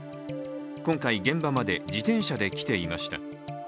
今回、現場まで自転車で来ていました。